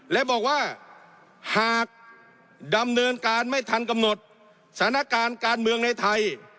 และบอกว่าหากดำเนินการไม่ทันกำหนดสถานการณ์การเมืองในไทย